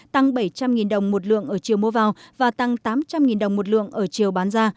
tăng bảy trăm linh đồng một lượng ở chiều mua vào và tăng tám trăm linh đồng một lượng ở chiều bán ra